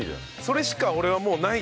それしか俺はもうない。